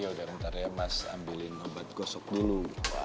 yaudah ntar ya mas ambilin obat gosok dulu